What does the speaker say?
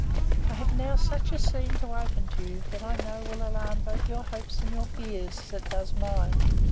I have now such a scene to open to you, that, I know, will alarm both your hopes and your fears, as it does mine.